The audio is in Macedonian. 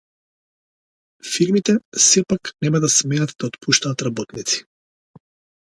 Фирмите сепак нема да смеат да отпуштаат работници